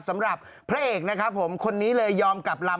สำหรับพระเอกนะครับผมคนนี้เลยยอมกลับลำ